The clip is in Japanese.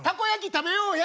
食べようや。